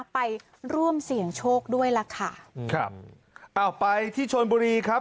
ไปร่วมเสี่ยงโชคด้วยล่ะค่ะครับอ้าวไปที่ชนบุรีครับ